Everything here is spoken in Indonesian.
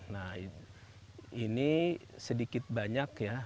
nah ini sedikit banyak ya